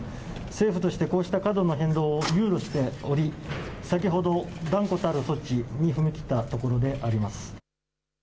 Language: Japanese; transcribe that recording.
政府としてこうした過度な変動を憂慮しており先ほど断固たる措置に踏み切ったところであります。